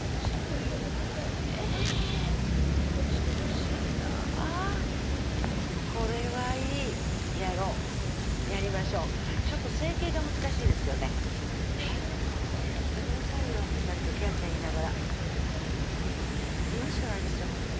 そういうのがね美しいなぁこれはいいやろうやりましょうちょっと成形が難しいですけどねねっこれやってくださいよ２人でキャーキャー言いながら今しかないですよ